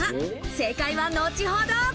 正解は後ほど。